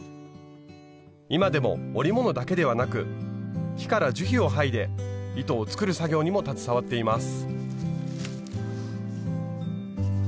今でも織物だけではなく木から樹皮を剥いで糸を作る作業にも携わっています。